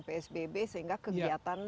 psbb sehingga kegiatan